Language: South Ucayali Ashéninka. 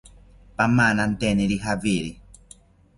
Pamananteniri jawiri